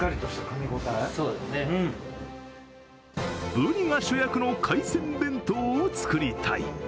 ぶりが主役の海鮮弁当を作りたい！